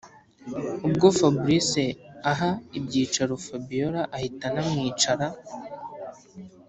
ubwo fabric aha ibyicaro fabiora ahita anamwicara